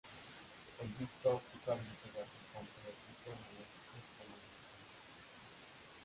El disco óptico admite datos tanto de tipo analógico como digital.